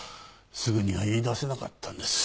すぐには言い出せなかったんです。